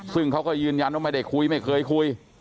ซึ่งเขาก็ยืนยันว่าไม่ได้คุยไม่เคยคุย